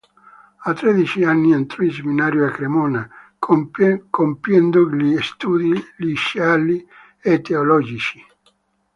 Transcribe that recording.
A tredici anni entrò in seminario a Cremona compiendo gli studi liceali e teologici.